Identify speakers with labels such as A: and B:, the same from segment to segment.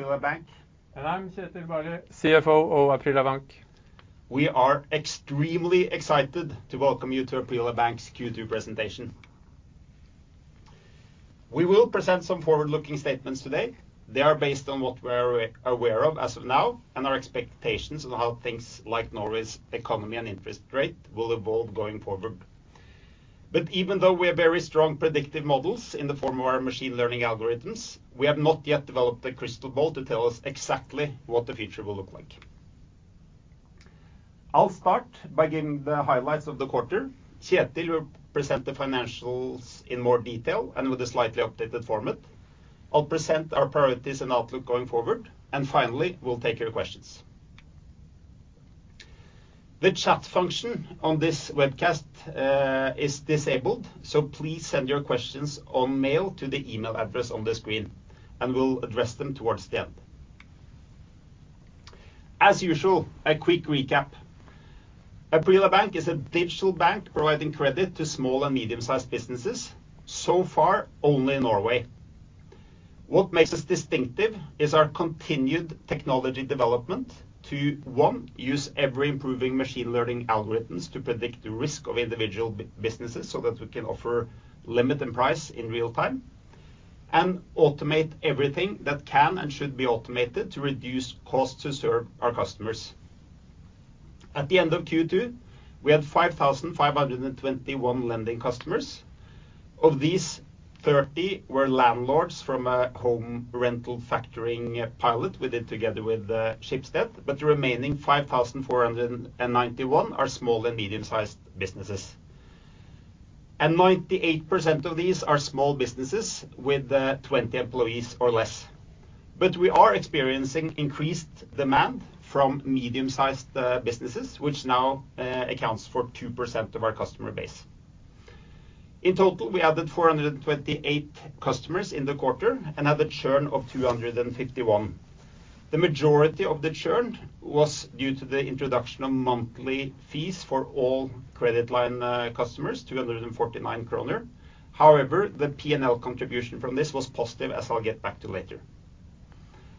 A: Aprila Bank.
B: I'm Kjetil Barli, CFO of Aprila Bank.
A: We are extremely excited to welcome you to Aprila Bank's Q2 Presentation. We will present some forward-looking statements today. They are based on what we are aware of as of now, and our expectations on how things like Norway's economy and interest rate will evolve going forward. Even though we have very strong predictive models in the form of our machine learning algorithms, we have not yet developed a crystal ball to tell us exactly what the future will look like. I'll start by giving the highlights of the quarter. Kjetil will present the financials in more detail and with a slightly updated format. I'll present our priorities and outlook going forward. Finally, we'll take your questions. The chat function on this webcast is disabled, so please send your questions by email to the email address on the screen, and we'll address them towards the end. As usual, a quick recap. Aprila Bank is a digital bank providing credit to small and medium-sized businesses, so far only in Norway. What makes us distinctive is our continued technology development to one, use ever-improving machine learning algorithms to predict the risk of individual businesses so that we can offer limit and price in real time, and automate everything that can and should be automated to reduce cost to serve our customers. At the end of Q2, we had 5,521 lending customers. Of these, 30 were landlords from a home rental factoring pilot we did together with Schibsted, but the remaining 5,491 are small and medium-sized businesses. Ninety-eight percent of these are small businesses with 20 employees or less. We are experiencing increased demand from medium-sized businesses, which now accounts for 2% of our customer base. In total, we added 428 customers in the quarter and had a churn of 251. The majority of the churn was due to the introduction of monthly fees for all Credit Line customers, 249 kroner. However, the P&L contribution from this was positive, as I'll get back to later.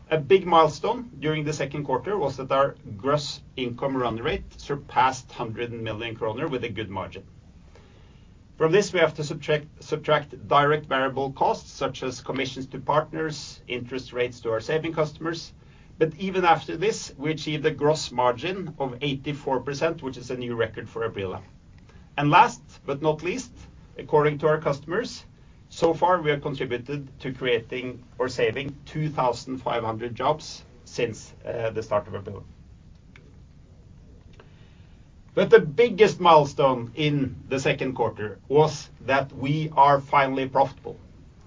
A: A big milestone during the second quarter was that our gross income run rate surpassed 100 million kroner with a good margin. From this, we have to subtract direct variable costs, such as commissions to partners, interest rates to our saving customers. But even after this, we achieved a gross margin of 84%, which is a new record for Aprila. Last but not least, according to our customers, so far, we have contributed to creating or saving 2,500 jobs since the start of Aprila. The biggest milestone in the second quarter was that we are finally profitable.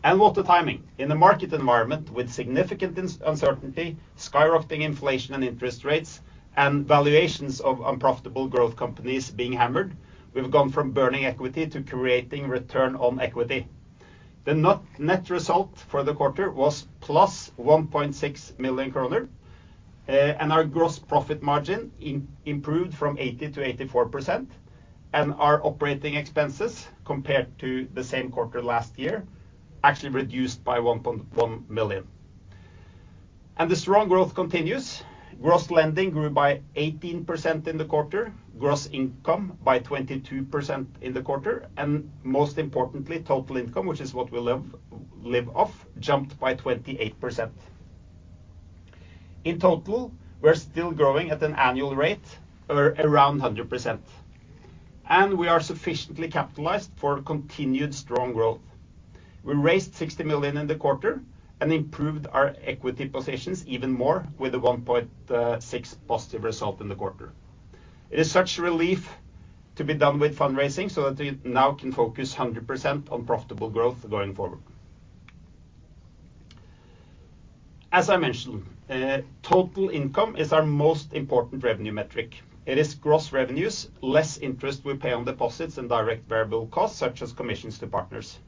A: What a timing. In a market environment with significant uncertainty, skyrocketing inflation and interest rates, and valuations of unprofitable growth companies being hammered, we've gone from burning equity to creating return on equity. The net result for the quarter was +1.6 million kroner, and our gross profit margin improved from 80%-84%, and our operating expenses, compared to the same quarter last year, actually reduced by 1.1 million. The strong growth continues. Gross lending grew by 18% in the quarter, gross income by 22% in the quarter, and most importantly, total income, which is what we live off, jumped by 28%. In total, we're still growing at an annual rate of around 100%, and we are sufficiently capitalized for continued strong growth. We raised 60 million in the quarter and improved our equity positions even more with a 1.6 positive result in the quarter. It is such a relief to be done with fundraising so that we now can focus 100% on profitable growth going forward. As I mentioned, total income is our most important revenue metric. It is gross revenues, less interest we pay on deposits and direct variable costs such as commissions to partners.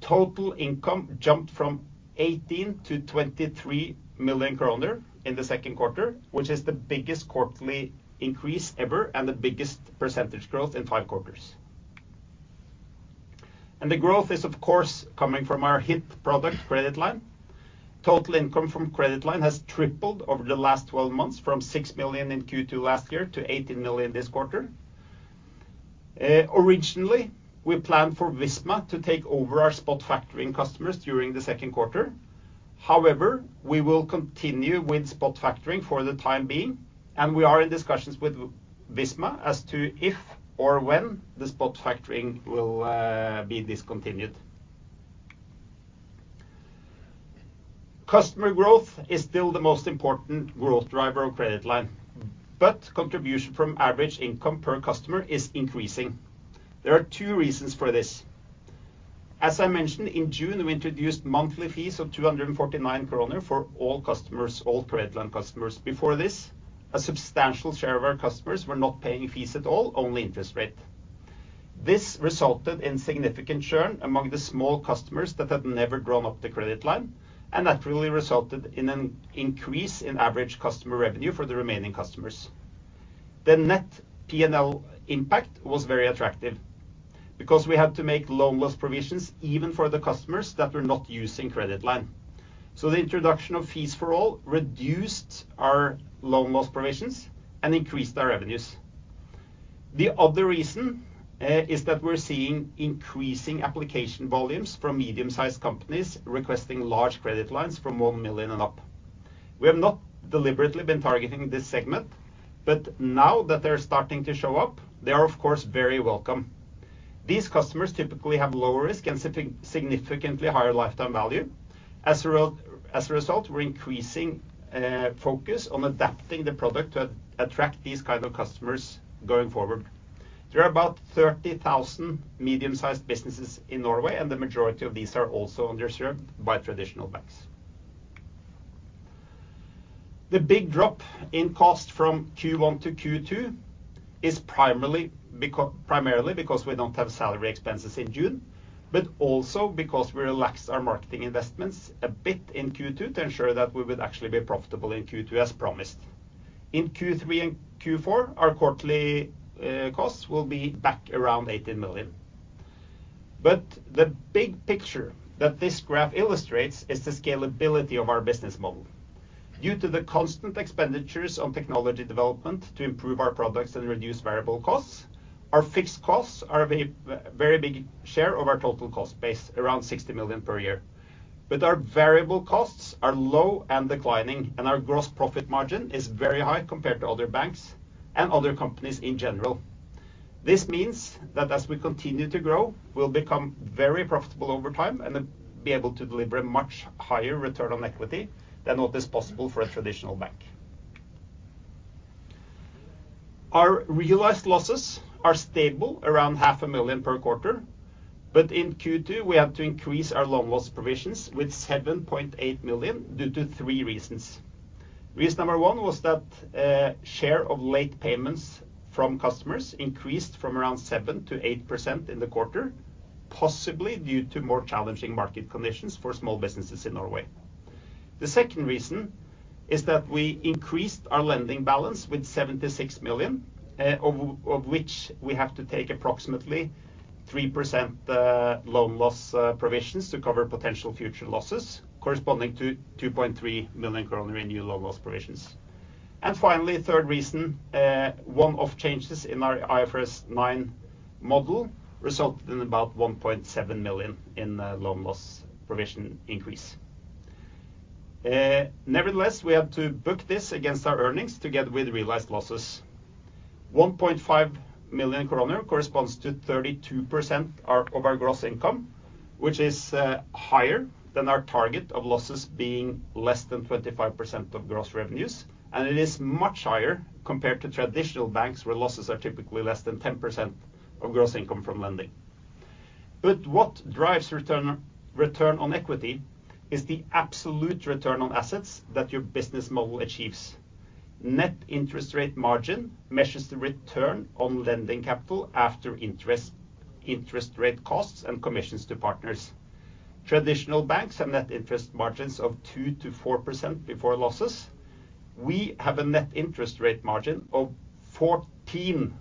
A: Total income jumped from 18 million to 23 million kroner in the second quarter, which is the biggest quarterly increase ever and the biggest percentage growth in five quarters. The growth is, of course, coming from our hit product, Credit Line. Total income from Credit Line has tripled over the last 12 months from 6 million in Q2 last year to 18 million this quarter. Originally, we planned for Visma to take over our Spot Factoring customers during the second quarter. However, we will continue with Spot Factoring for the time being, and we are in discussions with Visma as to if or when the Spot Factoring will be discontinued. Customer growth is still the most important growth driver of Credit Line, but contribution from average income per customer is increasing. There are two reasons for this. As I mentioned, in June, we introduced monthly fees of 249 kroner for all customers, all Credit Line customers. Before this, a substantial share of our customers were not paying fees at all, only interest rate. This resulted in significant churn among the small customers that had never drawn up the credit line and naturally resulted in an increase in average customer revenue for the remaining customers. The net P&L impact was very attractive because we had to make loan loss provisions even for the customers that were not using credit line. The introduction of fees for all reduced our loan loss provisions and increased our revenues. The other reason is that we're seeing increasing application volumes from medium-sized companies requesting large credit lines from 1 million and up. We have not deliberately been targeting this segment, but now that they're starting to show up, they are of course very welcome. These customers typically have lower risk and significantly higher lifetime value. As a result, we're increasing focus on adapting the product to attract these kind of customers going forward. There are about 30,000 medium-sized businesses in Norway, and the majority of these are also underserved by traditional banks. The big drop in cost from Q1 to Q2 is primarily because we don't have salary expenses in June, but also because we relaxed our marketing investments a bit in Q2 to ensure that we would actually be profitable in Q2 as promised. In Q3 and Q4, our quarterly costs will be back around 18 million. The big picture that this graph illustrates is the scalability of our business model. Due to the constant expenditures on technology development to improve our products and reduce variable costs, our fixed costs are a very, very big share of our total cost base, around 60 million per year. Our variable costs are low and declining, and our gross profit margin is very high compared to other banks and other companies in general. This means that as we continue to grow, we'll become very profitable over time and be able to deliver a much higher return on equity than what is possible for a traditional bank. Our realized losses are stable around NOK half a million per quarter, but in Q2, we have to increase our loan loss provisions with 7.8 million due to three reasons. Reason number one was that, share of late payments from customers increased from around 7%-8% in the quarter, possibly due to more challenging market conditions for small businesses in Norway. The second reason is that we increased our lending balance with 76 million, of which we have to take approximately 3% loan loss provisions to cover potential future losses, corresponding to 2.3 million in new loan loss provisions. Finally, third reason, one of changes in our IFRS 9 model resulted in about 1.7 million in loan loss provision increase. Nevertheless, we had to book this against our earnings together with realized losses. 1.5 million kroner corresponds to 32% of our gross income, which is higher than our target of losses being less than 25% of gross revenues. It is much higher compared to traditional banks, where losses are typically less than 10% of gross income from lending. What drives return on equity is the absolute return on assets that your business model achieves. Net interest rate margin measures the return on lending capital after interest rate costs and commissions to partners. Traditional banks have net interest margins of 2%-4% before losses. We have a net interest rate margin of 14%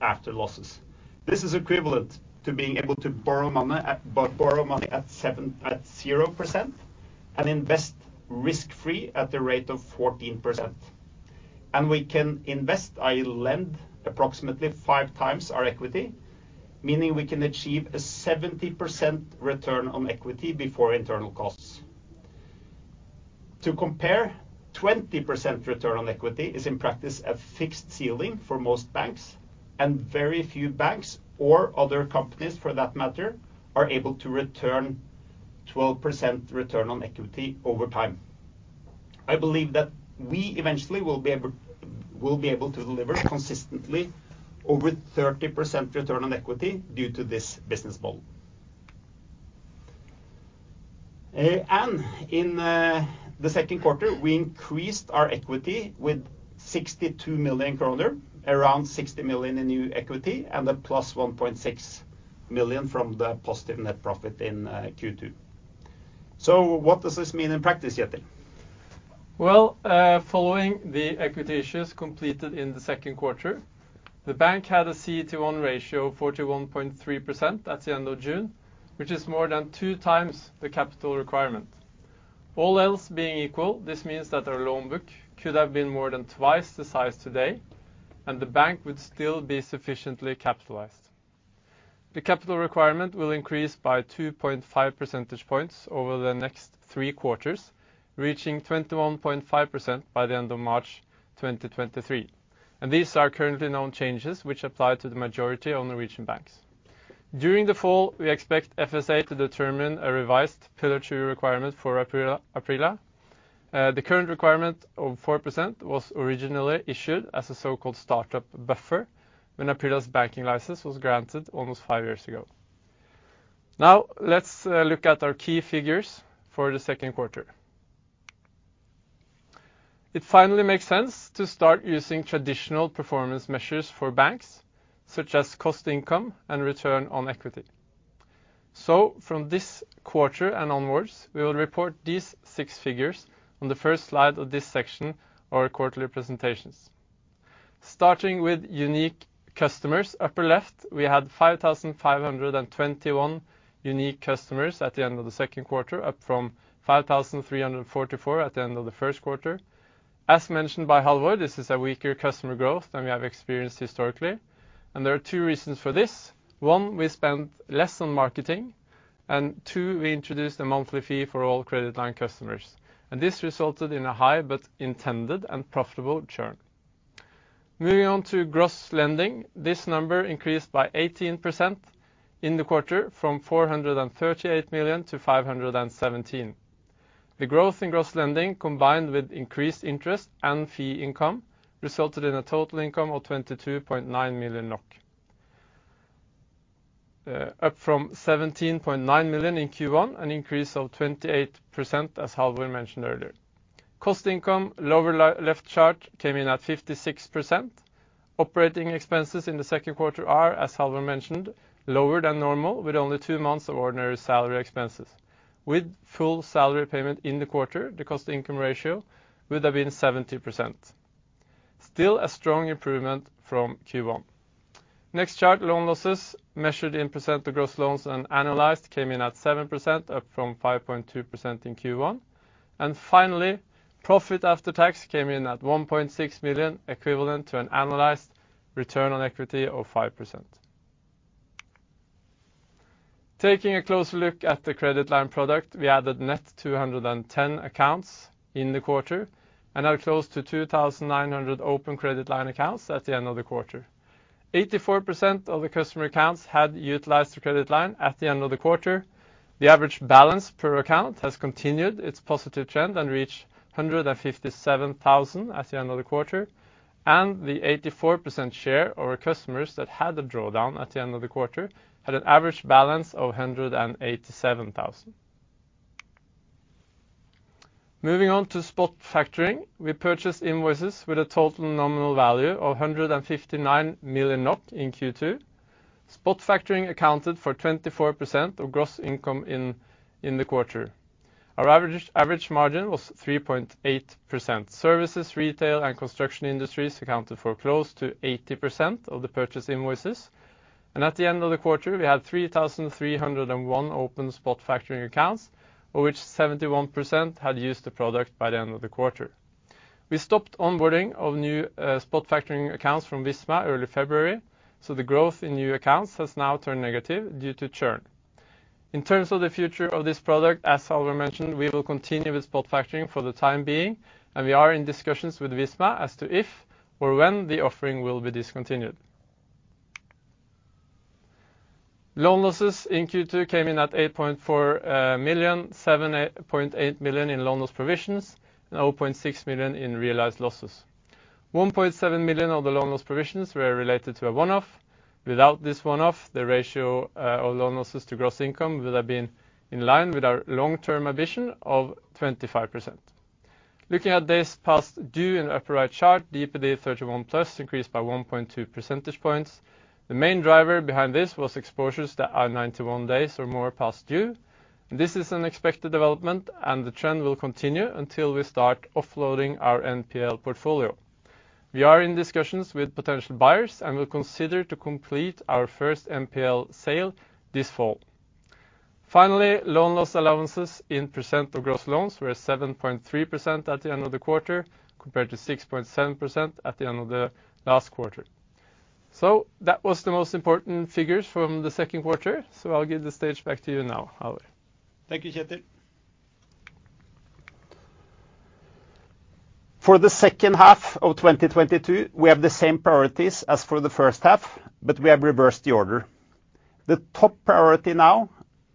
A: after losses. This is equivalent to being able to borrow money at 0% and invest risk-free at the rate of 14%. We can invest or lend approximately five times our equity, meaning we can achieve a 70% return on equity before internal costs. To compare, 20% return on equity is in practice a fixed ceiling for most banks, and very few banks or other companies, for that matter, are able to return 12% return on equity over time. I believe that we eventually will be able to deliver consistently over 30% return on equity due to this business model. In the second quarter, we increased our equity with 62 million kroner, around 60 million in new equity, and then plus 1.6 million from the positive net profit in Q2. What does this mean in practice, Kjetil?
B: Well, following the equity issues completed in the second quarter, the bank had a CET1 ratio of 41.3% at the end of June, which is more than two times the capital requirement. All else being equal, this means that our loan book could have been more than twice the size today and the bank would still be sufficiently capitalized. The capital requirement will increase by 2.5 percentage points over the next three quarters, reaching 21.5% by the end of March 2023. These are currently known changes which apply to the majority of Norwegian banks. During the fall, we expect FSA to determine a revised Pillar Two Requirement for Aprila. The current requirement of 4% was originally issued as a so-called startup buffer when Aprila's banking license was granted almost five years ago. Now, let's look at our key figures for the second quarter. It finally makes sense to start using traditional performance measures for banks, such as cost/income and return on equity. From this quarter and onwards, we will report these six figures on the first slide of this section, our quarterly presentations. Starting with unique customers. Upper left, we had 5,521 unique customers at the end of the second quarter, up from 5,344 at the end of the first quarter. As mentioned by Halvor, this is a weaker customer growth than we have experienced historically, and there are two reasons for this. One, we spent less on marketing, and two, we introduced a monthly fee for all Credit Line customers, and this resulted in a high but intended and profitable churn. Moving on to gross lending. This number increased by 18% in the quarter from 438 million to 517 million. The growth in gross lending, combined with increased interest and fee income, resulted in a total income of 22.9 million NOK. Up from 17.9 million in Q1, an increase of 28%, as Halvor mentioned earlier. Cost/income, lower left chart came in at 56%. Operating expenses in the second quarter are, as Halvor mentioned, lower than normal, with only two months of ordinary salary expenses. With full salary payment in the quarter, the cost income ratio would have been 70%. Still a strong improvement from Q1. Next chart, loan losses measured in % of gross loans and annualized came in at 7%, up from 5.2% in Q1. Finally, profit after tax came in at 1.6 million, equivalent to an annualized return on equity of 5%. Taking a closer look at the Credit Line product, we added net 210 accounts in the quarter and are close to 2,900 open Credit Line accounts at the end of the quarter. 84% of the customer accounts had utilized the Credit Line at the end of the quarter. The average balance per account has continued its positive trend and reached 157,000 at the end of the quarter. The 84% share of our customers that had a drawdown at the end of the quarter had an average balance of 187,000. Moving on to Spot Factoring. We purchased invoices with a total nominal value of 159 million in Q2. Spot Factoring accounted for 24% of gross income in the quarter. Our average margin was 3.8%. Services, retail and construction industries accounted for close to 80% of the purchase invoices. At the end of the quarter, we had 3,301 open Spot Factoring accounts, of which 71% had used the product by the end of the quarter. We stopped onboarding of new Spot Factoring accounts from Visma early February, so the growth in new accounts has now turned negative due to churn. In terms of the future of this product, as Halvor mentioned, we will continue with Spot Factoring for the time being, and we are in discussions with Visma as to if or when the offering will be discontinued. Loan losses in Q2 came in at 8.4 million, 7.8 million in loan loss provisions and 0.6 million in realized losses. 1.7 million of the loan loss provisions were related to a one-off. Without this one-off, the ratio of loan losses to gross income would have been in line with our long-term ambition of 25%. Looking at this past due and upper right chart, DPD 31+ increased by 1.2 percentage points. The main driver behind this was exposures that are 91 days or more past due, and this is an expected development, and the trend will continue until we start offloading our NPL portfolio. We are in discussions with potential buyers and will consider to complete our first NPL sale this fall. Finally, loan loss allowances in percent of gross loans were 7.3% at the end of the quarter, compared to 6.7% at the end of the last quarter. That was the most important figures from the second quarter. I'll give the stage back to you now, Halvor.
A: Thank you, Kjetil. For the second half of 2022, we have the same priorities as for the first half, but we have reversed the order. The top priority now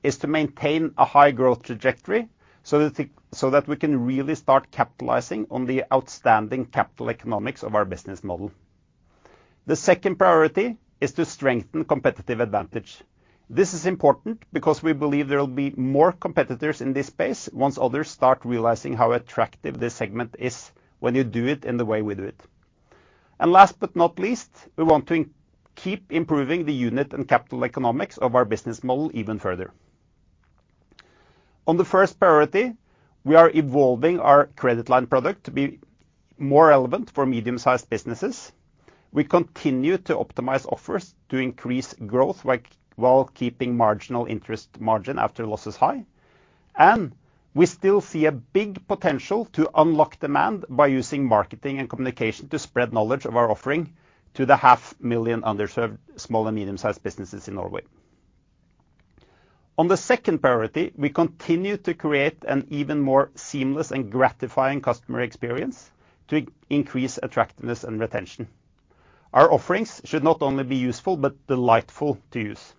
A: is to maintain a high growth trajectory so that we can really start capitalizing on the outstanding capital economics of our business model. The second priority is to strengthen competitive advantage. This is important because we believe there will be more competitors in this space once others start realizing how attractive this segment is when you do it in the way we do it. Last but not least, we want to keep improving the unit and capital economics of our business model even further. On the first priority, we are evolving our Credit Line product to be more relevant for medium-sized businesses. We continue to optimize offers to increase growth, like, while keeping marginal interest margin after loss is high. We still see a big potential to unlock demand by using marketing and communication to spread knowledge of our offering to the half million underserved small and medium-sized businesses in Norway. On the second priority, we continue to create an even more seamless and gratifying customer experience to increase attractiveness and retention. Our offerings should not only be useful but delightful to use.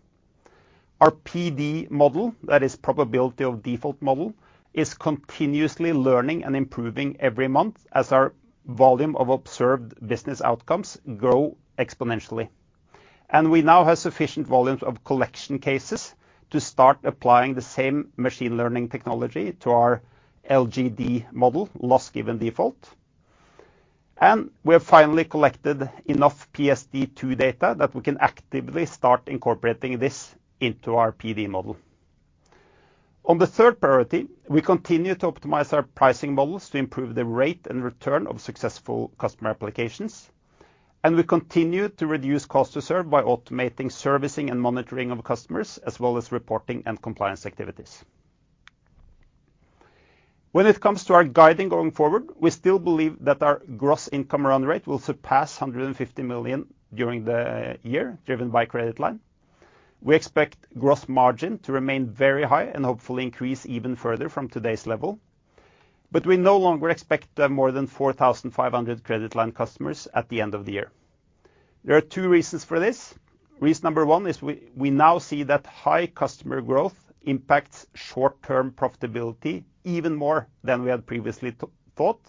A: Our PD model, that is probability of default model, is continuously learning and improving every month as our volume of observed business outcomes grow exponentially. We now have sufficient volumes of collection cases to start applying the same machine learning technology to our LGD model, loss given default. We have finally collected enough PSD2 data that we can actively start incorporating this into our PD model. On the third priority, we continue to optimize our pricing models to improve the rate and return of successful customer applications, and we continue to reduce cost to serve by automating servicing and monitoring of customers, as well as reporting and compliance activities. When it comes to our guiding going forward, we still believe that our gross income run rate will surpass 150 million during the year, driven by Credit Line. We expect gross margin to remain very high and hopefully increase even further from today's level. We no longer expect to have more than 4,500 Credit Line customers at the end of the year. There are two reasons for this. Reason number one is we now see that high customer growth impacts short-term profitability even more than we had previously thought,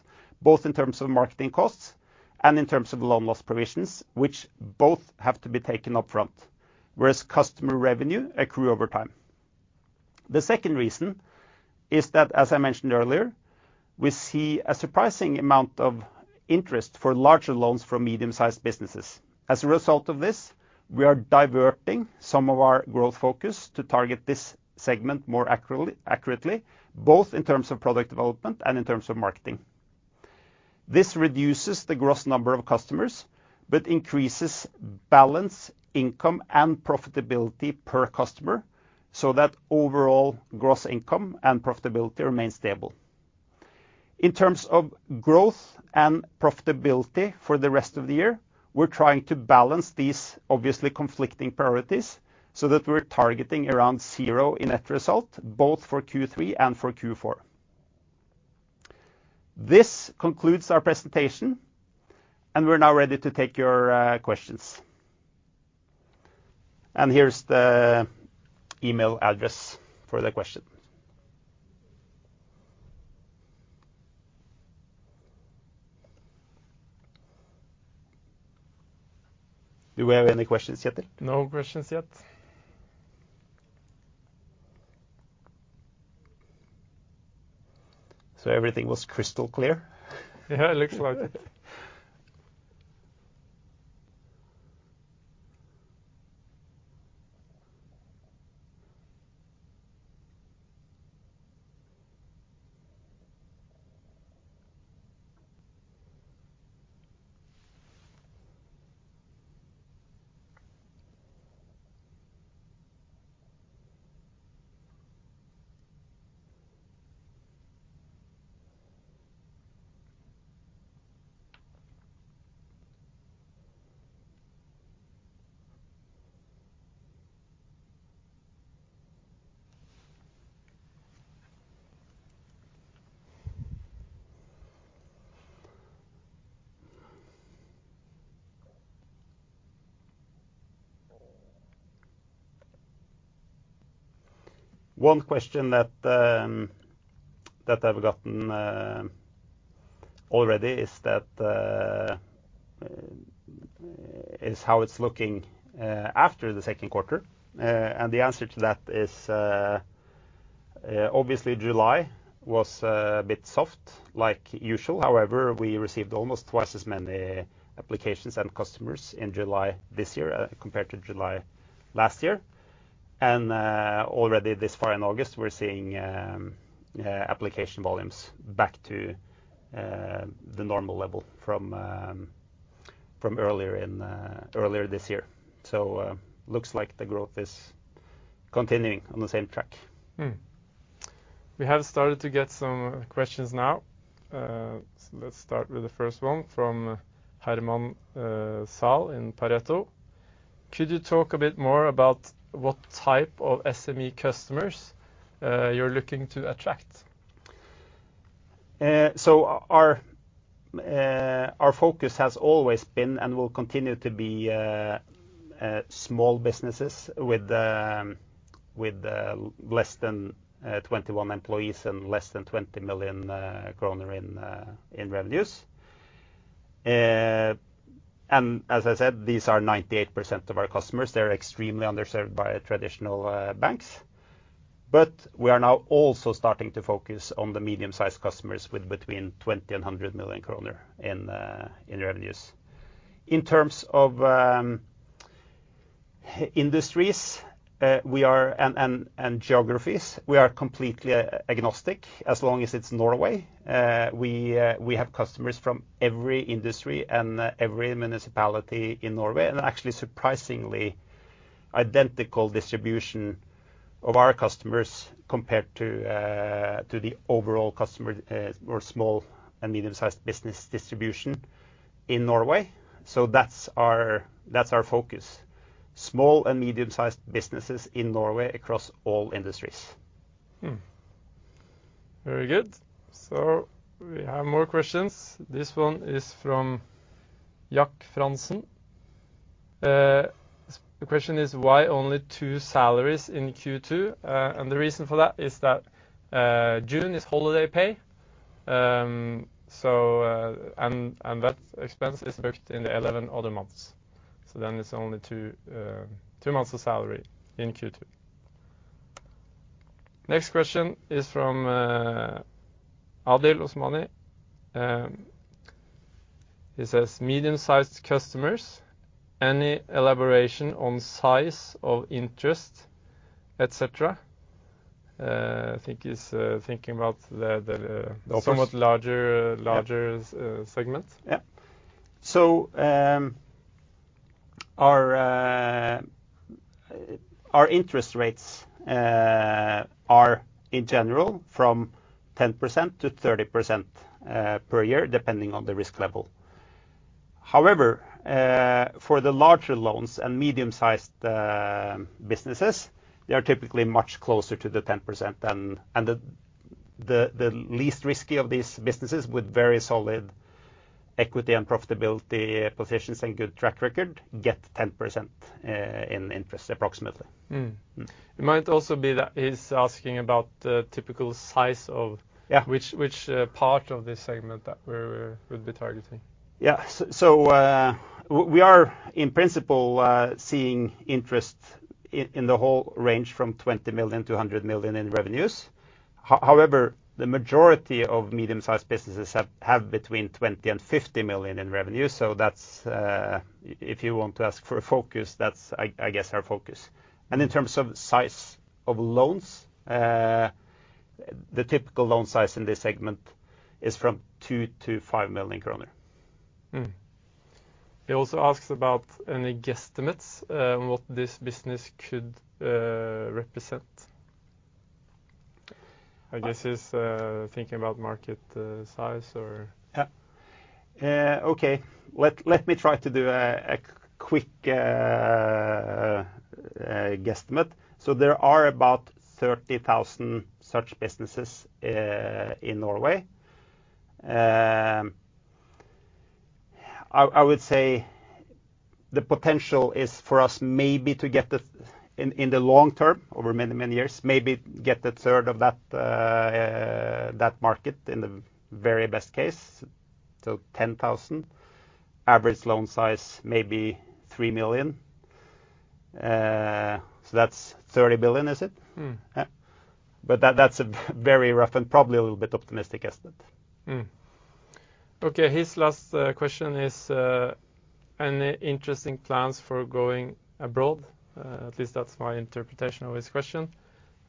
A: both in terms of marketing costs and in terms of loan loss provisions, which both have to be taken upfront, whereas customer revenue accrue over time. The second reason is that, as I mentioned earlier, we see a surprising amount of interest for larger loans from medium-sized businesses. As a result of this, we are diverting some of our growth focus to target this segment more accurately, both in terms of product development and in terms of marketing. This reduces the gross number of customers, but increases balance, income, and profitability per customer, so that overall gross income and profitability remain stable. In terms of growth and profitability for the rest of the year, we're trying to balance these obviously conflicting priorities so that we're targeting around zero in net result, both for Q3 and for Q4. This concludes our presentation, and we're now ready to take your questions. Here's the email address for the question. Do we have any questions yet?
B: No questions yet.
A: Everything was crystal clear?
B: Yeah, it looks like.
A: One question that I've gotten already is how it's looking after the second quarter. The answer to that is obviously July was a bit soft like usual. However, we received almost twice as many applications and customers in July this year compared to July last year. Already this far in August, we're seeing application volumes back to the normal level from earlier in this year. Looks like the growth is continuing on the same track.
B: We have started to get some questions now. Let's start with the first one from Herman Zahl in Pareto. Could you talk a bit more about what type of SME customers you're looking to attract?
A: Our focus has always been and will continue to be small businesses with less than 21 employees and less than 20 million kroner in revenues. As I said, these are 98% of our customers. They're extremely underserved by traditional banks. We are now also starting to focus on the medium-sized customers with between 20 million kroner and 100 million kroner in revenues. In terms of industries and geographies, we are completely agnostic as long as it's Norway. We have customers from every industry and every municipality in Norway, and actually surprisingly identical distribution of our customers compared to the overall customer or small and medium-sized business distribution in Norway. That's our focus. Small and medium-sized businesses in Norway across all industries.
B: Very good. We have more questions. This one is from Jack Franssen. The question is why only two salaries in Q2? The reason for that is that June is holiday pay. And that expense is booked in the 11 other months. It's only two months of salary in Q2. Next question is from Adel Osmani. He says, "Medium-sized customers, any elaboration on size of interest, et cetera?" I think he's thinking about the.
A: The offers.
B: Somewhat larger.
A: Yeah
B: larger segment.
A: Yeah. Our interest rates are in general from 10%-30% per year, depending on the risk level. However, for the larger loans and medium-sized businesses, they are typically much closer to the 10%. The least risky of these businesses with very solid equity and profitability positions and good track record get 10% in interest approximately.
B: Mm.
A: Mm.
B: It might also be that he's asking about the typical size of.
A: Yeah
B: which part of this segment that we'd be targeting.
A: Yeah. We are in principle seeing interest in the whole range from 20 million to 100 million in revenues. However, the majority of medium-sized businesses have between 20 million and 50 million in revenue. That's if you want to ask for a focus, that's I guess our focus. In terms of size of loans, the typical loan size in this segment is from 2 million to 5 million kroner.
B: He also asks about any guesstimates on what this business could represent. I guess he's thinking about market size or-
A: Yeah. Okay. Let me try to do a quick guesstimate. There are about 30,000 such businesses in Norway. I would say the potential is for us maybe to get in the long term, over many years, maybe get a third of that market in the very best case, so 10,000. Average loan size may be 3 million. That's 30 billion, is it?
B: Mm.
A: Yeah. That, that's a very rough and probably a little bit optimistic estimate.
B: His last question is, any interesting plans for going abroad? At least that's my interpretation of his question.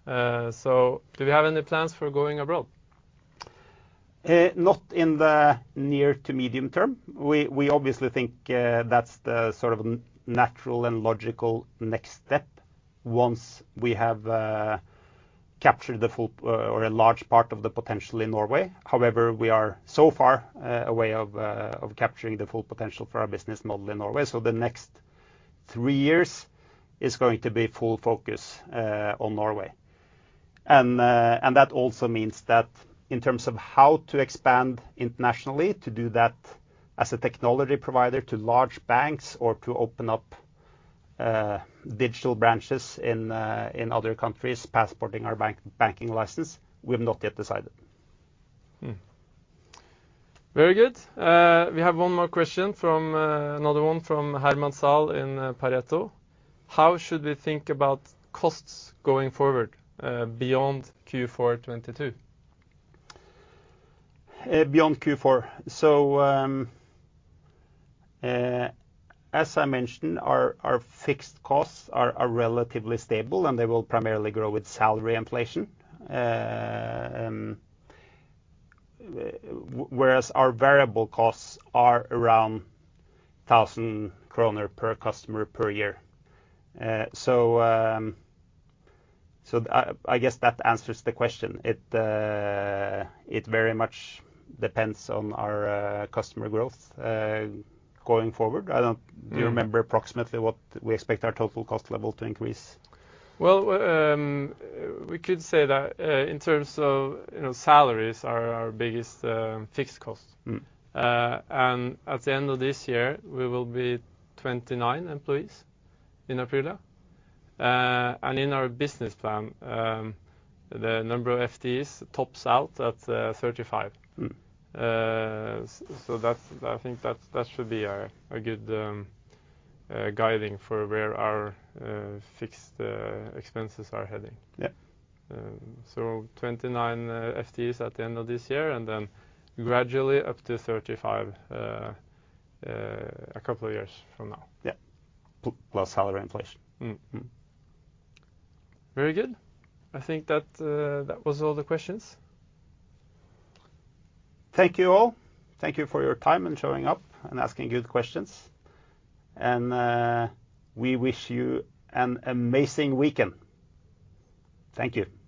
B: Do we have any plans for going abroad?
A: Not in the near to medium term. We obviously think that's the sort of natural and logical next step once we have captured the full or a large part of the potential in Norway. However, we are so far away from capturing the full potential for our business model in Norway. The next three years is going to be full focus on Norway. That also means that in terms of how to expand internationally, to do that as a technology provider to large banks or to open up digital branches in other countries, passporting our banking license, we've not yet decided.
B: Very good. We have one more question from another one from Herman Zahl in Pareto. "How should we think about costs going forward beyond Q4 2022?
A: Beyond Q4. As I mentioned, our fixed costs are relatively stable, and they will primarily grow with salary inflation. Whereas our variable costs are around 1,000 kroner per customer per year. I guess that answers the question. It very much depends on our customer growth going forward. I don't
B: Mm
A: Remember approximately what we expect our total cost level to increase.
B: Well, we could say that, in terms of, you know, salaries are our biggest fixed cost.
A: Mm.
B: At the end of this year, we will be 29 employees in Aprila. In our business plan, the number of FTEs tops out at 35.
A: Mm.
B: I think that should be a good guideline for where our fixed expenses are heading.
A: Yeah.
B: 29 FTEs at the end of this year and then gradually up to 35 a couple of years from now.
A: Yeah. Plus salary inflation.
B: Very good. I think that was all the questions.
A: Thank you, all. Thank you for your time and showing up and asking good questions. We wish you an amazing weekend. Thank you.
B: Thank you.